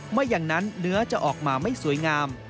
ไม่อย่างนั้นเนื้อจะออกมาไม่สวยงาม